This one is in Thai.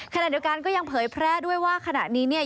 ขณะเดียวกันก็ยังเผยแพร่ด้วยว่าขณะนี้เนี่ย